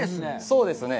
そうですね。